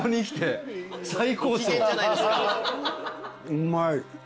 うまい。